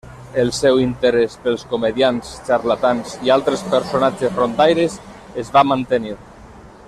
El seu interès pels comediants, xarlatans i altres personatges rondaires es va mantenir.